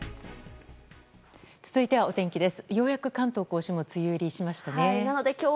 続いては、お天気です。